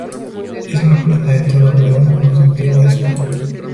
Es la plaza de toros redonda más antigua de España.